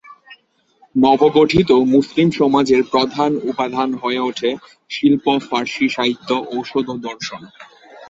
নবগঠিত মুসলিম সমাজের প্রধান উপাদান হয়ে উঠে শিল্প, ফার্সী সাহিত্য, ঔষধ ও দর্শন।